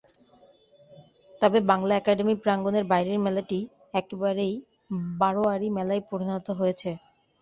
তবে বাংলা একাডেমি প্রাঙ্গণের বাইরের মেলাটি একেবারেই বারোয়ারি মেলায় পরিণত হয়েছে।